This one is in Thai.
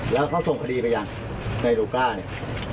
แล้วเขาส่งคดีไปยังไนลูก้าเนี่ย